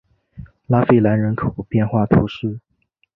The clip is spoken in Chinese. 拉费兰人口变化图示